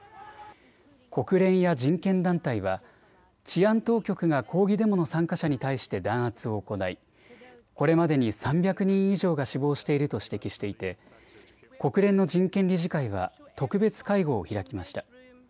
国連や人権団体は治安当局が抗議デモの参加者に対して弾圧を行いこれまでに３００人以上が死亡していると指摘していて国連の人権理事会は特別会合を開きました。